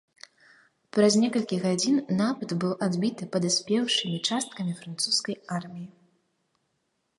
Праз некалькі гадзін напад быў адбіты падаспеўшымі часткамі французскай арміі.